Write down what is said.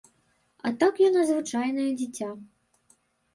А так яна звычайнае дзіця.